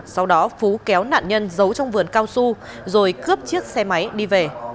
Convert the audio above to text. sau đó phú kéo nạn nhân giấu trong vườn cao su rồi cướp chiếc xe máy đi về